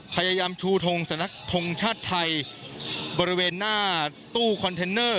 พยายามชูทงสำนักทงชาติไทยบริเวณหน้าตู้คอนเทนเนอร์